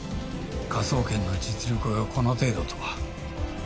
科捜研の実力がこの程度とは。